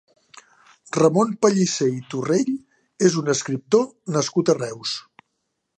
Ramon Pallicé i Torrell és un escriptor nascut a Reus.